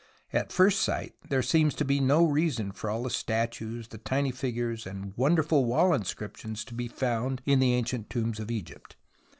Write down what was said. At first sight there seems to be no reason for all the statues, the tiny figures, and wonderful wall inscriptions to be found in the ancient tombs of Egypt.